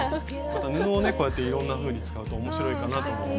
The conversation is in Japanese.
また布をねこうやっていろんなふうに使うと面白いかなとも思います。